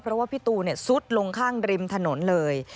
เพราะว่าพี่ตูซุดลงข้างริมถนนเลย